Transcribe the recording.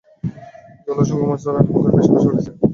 জলে অসংখ্য মাছ আর হাঙ্গর ভেসে ভেসে বেড়াচ্চে।